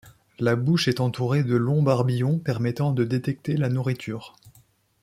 La bouche est entourée de longs barbillons permettant de détecter la nourriture.